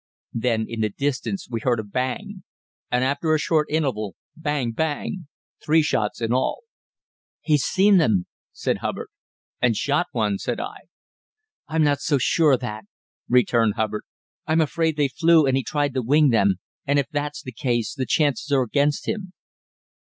Then in the distance we heard a "Bang!" and after a short interval, "Bang! Bang!" three shots in all. "He's seen them," said Hubbard. "And shot one," said I. "I'm not so sure of that," returned Hubbard; "I'm afraid they flew and he tried to wing them, and if that's the case the chances are against him."